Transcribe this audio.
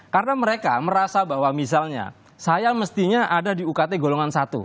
karena mereka merasa bahwa misalnya saya mestinya ada di ukt golongan satu